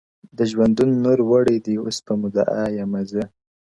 • د ژوندون نور وړی دی اوس په مدعا يمه زه؛